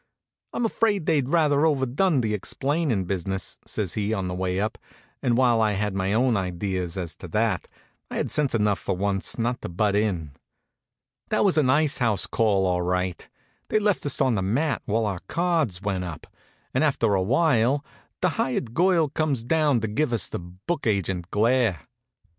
"I'm afraid they've rather overdone the explaining business," says he on the way up; and while I had my own idea as to that, I had sense enough, for once, not to butt in. That was an ice house call, all right. They left us on the mat while our cards went up, and after a while the hired girl comes down to give us the book agent glare.